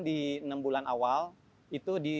di enam bulan awal itu di